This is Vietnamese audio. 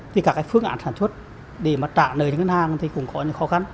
thì các cái phương án sản xuất để mà trả lời cho ngân hàng thì cũng có những khó khăn